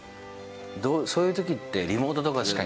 そういう時ってリモートとかで。